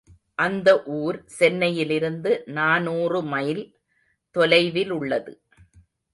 அந்த ஊர் சென்னையிலிருந்து நாநூறு மைல் தொலைவிலுள்ளது.